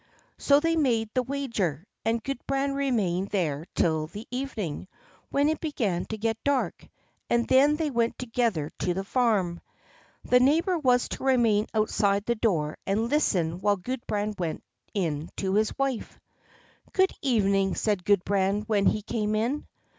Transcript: So they made the wager and Gudbrand remained there till the evening, when it began to get dark, and then they went together to the farm. The neighbor was to remain outside the door and listen while Gudbrand went in to his wife. "Good evening!" said Gudbrand when he came in.